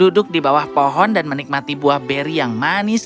duduk di bawah pohon dan menikmati buah beri yang manis